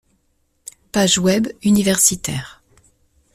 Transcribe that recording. Page web universitaire.